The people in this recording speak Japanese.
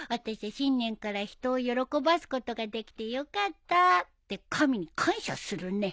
新年から人を喜ばすことができてよかった」って神に感謝するね。